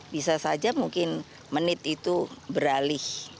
bisa saja mungkin menit itu beralih